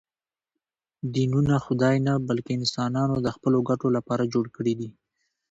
دینونه خدای نه، بلکې انسانانو د خپلو ګټو لپاره جوړ کړي دي